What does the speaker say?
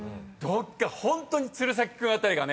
ホントに鶴崎君あたりがね